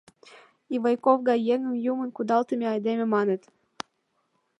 Ивайков гай еҥым «Юмын кудалтыме айдеме» маныт.